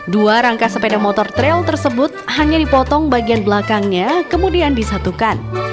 dua rangka sepeda motor trail tersebut hanya dipotong bagian belakangnya kemudian disatukan